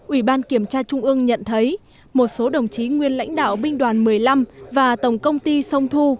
ủy ban kiểm tra trung ương nhận thấy một số đồng chí nguyên lãnh đạo binh đoàn một mươi năm và tổng công ty sông thu